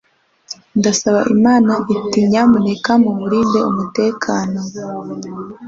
Ndasaba Imana ati Nyamuneka mumurinde umutekano